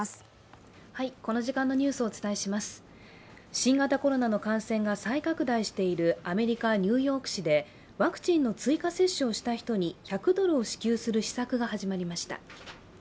新型コロナの感染が再拡大しているアメリカ・ニューヨーク市でワクチンの追加接種をした人に１００ドルを支給する施策が始まりました。